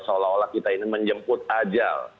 seolah olah kita ini menjemput ajal